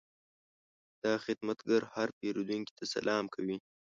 دا خدمتګر هر پیرودونکي ته سلام کوي.